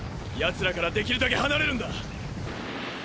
ヤツらからできるだけ離れるんだ。